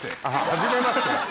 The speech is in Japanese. はじめまして。